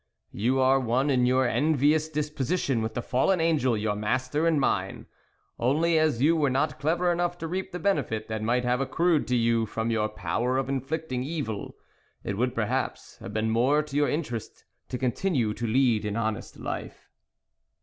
You are one in your envious disposition with the fallen Angel, your master and mine ; only, as you were not clever enough to reap the benefit that might have accrued to you from your power of inflicting evil, it would perhaps have been more to your interest to continue to lead an honest life."